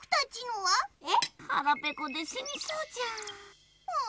はらぺこでしにそうじゃーん。